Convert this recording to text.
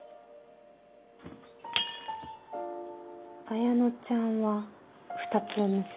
綾乃ちゃんは二つ結び